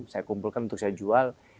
saya kumpulkan untuk saya jual